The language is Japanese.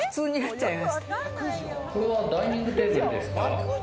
これはダイニングテーブルですか？